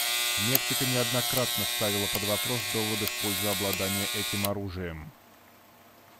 Мексика неоднократно ставила под вопрос доводы в пользу обладания этим оружием.